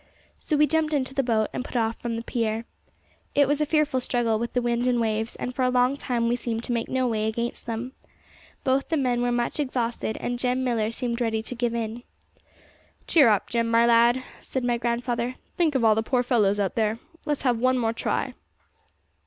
So we jumped into the boat, and put off from the pier. It was a fearful struggle with the wind and waves, and for a long time we seemed to make no way against them. Both the men were much exhausted, and Jem Millar seemed ready to give in. 'Cheer up, Jem, my lad,' said my grandfather; 'think of all the poor fellows out there. Let's have one more try!'